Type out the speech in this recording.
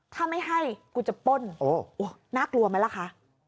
ถ้าไม่ให้กูจะป้นน่ากลัวไหมล่ะคะ